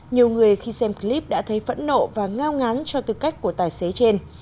nhiều người khi xem clip đã thấy phẫn nộ và ngao ngáng cho tư cách của tài xế trên